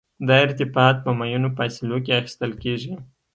دا ارتفاعات په معینو فاصلو کې اخیستل کیږي